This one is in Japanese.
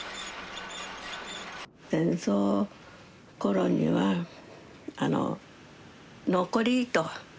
戦争の頃にはあの残り糸。